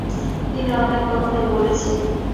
তিনি অনেক কথাই বলেছেন।